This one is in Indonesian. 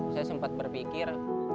saya sempat berpikir